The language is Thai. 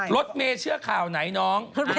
รถเมย์เชื่อข่าวไหนน้อง